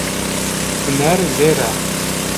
Huner zêr e.